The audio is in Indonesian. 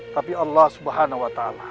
tapi allah swt